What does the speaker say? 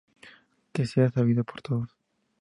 Que sea sabido por todos.